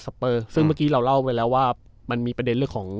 เปอร์ซึ่งเมื่อกี้เราเล่าไว้แล้วว่ามันมีประเด็นเรื่องของ